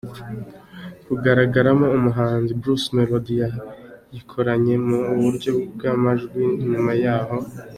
kugaragaramo umuhanzi Bruce Melody bayikoranye mu buryo bwamajwi, nyuma yaho.